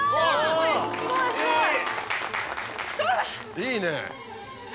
いいね。